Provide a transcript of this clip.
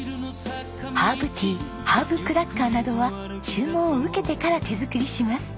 ハーブティーハーブクラッカーなどは注文を受けてから手作りします。